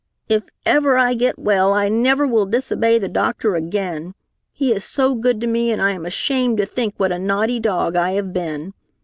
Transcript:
"If ever I get well I never will disobey the doctor again! He is so good to me, and I am ashamed to think what a naughty dog I have been.